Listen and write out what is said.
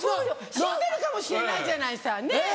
死んでるかもしれないじゃないさねぇ。